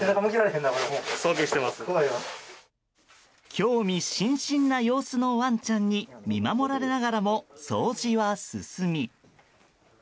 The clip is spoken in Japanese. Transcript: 興味津々な様子のワンちゃんに見守られながらも掃除は進み